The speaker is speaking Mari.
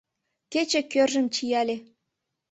Кече кӧржым чияле